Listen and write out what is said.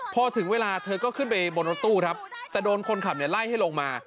พอถึงเวลาเธอก็ขึ้นไปบนรถตู้ครับแต่โดนคนขับเนี่ยไล่ให้ลงมา